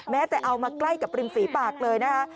แม้แต่เอามาใกล้กับปริมฝีปากเลยนะคะ